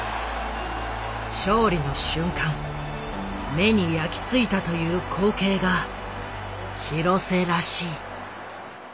勝利の瞬間目に焼き付いたという光景が廣瀬らしい。